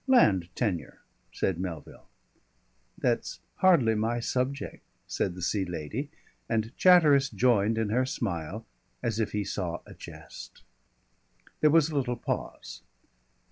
"Land tenure," said Melville. "That's hardly my subject," said the Sea Lady, and Chatteris joined in her smile as if he saw a jest. There was a little pause.